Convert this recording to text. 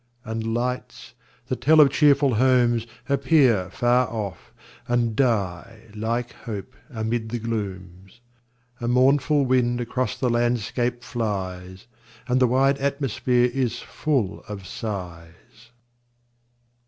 And lights, that tell of cheerful homes, appear Far off, and die like hope amid the glooms. A mournful wind across the landscape flies, And the wide atmosphere is full of sighs.